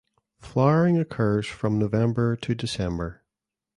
Flowering occurs from November to December.